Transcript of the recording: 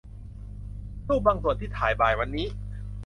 รูปบางส่วนที่ถ่ายบ่ายวันนี้